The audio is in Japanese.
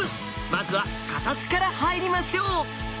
まずは形から入りましょう。